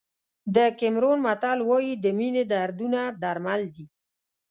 د کیمرون متل وایي د مینې دردونه درمل دي.